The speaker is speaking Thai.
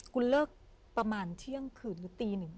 คุณเลิกประมาณเที่ยงคืนหรือตีหนึ่ง